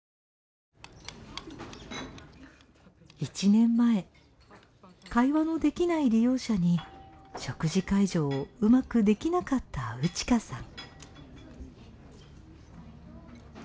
１年前会話のできない利用者に食事介助をうまくできなかったウチカさん。